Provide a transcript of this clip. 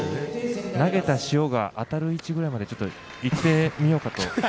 投げた塩が当たる位置くらいまで行ってみようかと。